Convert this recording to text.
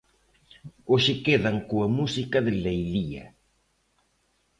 Hoxe quedan coa música de Leilía.